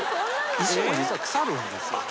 石も実は腐るんですよね。